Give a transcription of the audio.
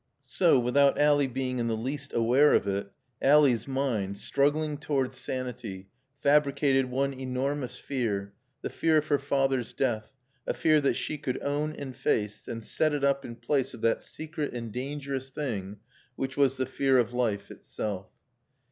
So, without Ally being in the least aware of it, Ally's mind, struggling toward sanity, fabricated one enormous fear, the fear of her father's death, a fear that she could own and face, and set it up in place of that secret and dangerous thing which was the fear of life itself.